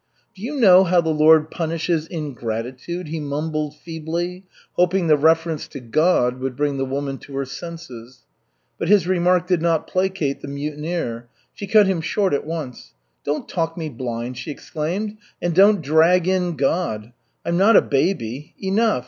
"Do you know how the Lord punishes ingratitude?" he mumbled feebly, hoping the reference to God would bring the woman to her senses. But his remark did not placate the mutineer. She cut him short at once. "Don't talk me blind!" she exclaimed, "and don't drag in God. I'm not a baby. Enough!